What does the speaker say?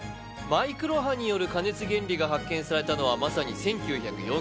マイクロ波による加熱原理が発見されたのはまさに１９４５年